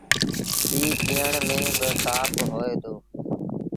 ائيٚݩ پيٚئڻ ميݩ با سآڦ هوئي دو۔